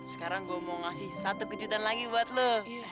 sekarang gue mau ngasih satu kejutan lagi buat lo